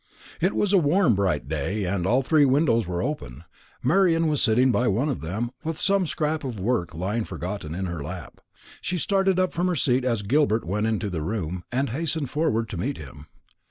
It was a warm bright day, and all three windows were open. Marian was sitting by one of them, with some scrap of work lying forgotten in her lap. She started up from her seat as Gilbert went into the room, and hastened forward to meet him.